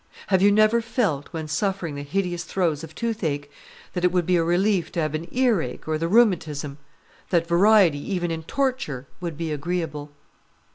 Have you never felt, when suffering the hideous throes of toothache, that it would be a relief to have the earache or the rheumatism; that variety even in torture would be agreeable?